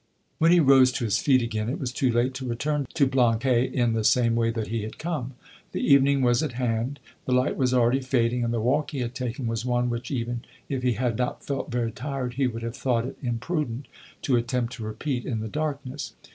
When he rose to his feet again it was too late to return to Blanquais in the same way that he had come; the evening was at hand, the light was already fading, and the walk he had taken was one which even if he had not felt very tired, he would have thought it imprudent to attempt to repeat in the darkness.